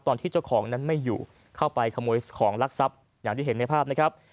ตอนที่เจ้าของนั้นไม่อยู่เข้าไปขโมยของลักทรัพย์อย่างที่เห็นในภาพนะครับ